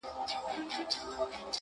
ښار کرار کړي له دې هري شپې یرغله!!